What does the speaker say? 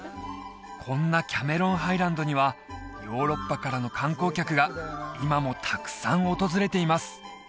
こんなキャメロンハイランドにはヨーロッパからの観光客が今もたくさん訪れています